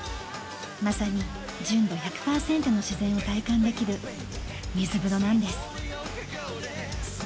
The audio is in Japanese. まさに純度１００％の自然を体感できるみず風呂なんです。